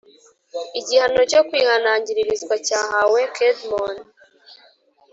Igihano cyo kwihanangirizwa Cyahawe Kedmon .